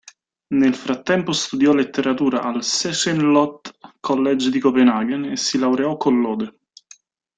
Nel frattempo studiò letteratura al Schneekloth's College di Copenaghen e si laureò con lode.